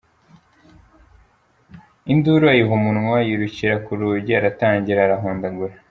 Induru ayiha umunwa, yirukira ku rugi aratangira arahondagura.